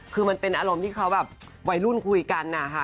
คือมันเป็นอารมณ์ที่เขาแบบวัยรุ่นคุยกันนะคะ